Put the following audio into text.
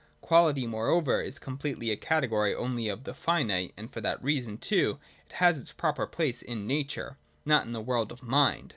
Quality, moreover, is completely a category only of the finite, and for that reason too it has its proper place in Nature, not in the world of Mind.